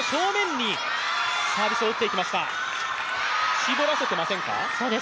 絞らせていませんか。